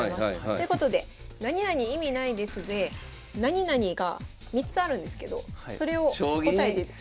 ということで「なになに意味ないです」で「なになに」が３つあるんですけどそれを答えてください。